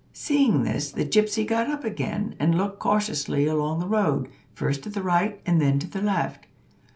Seeing this, the gypsy got up again, and looked cautiously along the road, first to the right and then to the left.